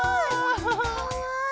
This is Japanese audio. かわいい！